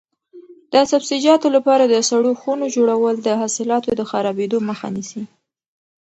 د سبزیجاتو لپاره د سړو خونو جوړول د حاصلاتو د خرابېدو مخه نیسي.